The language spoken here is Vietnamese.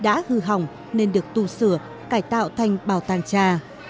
nhà máy sản xuất trà cổ đã hư hỏng nên được tu sửa cải tạo thành bảo tàng trà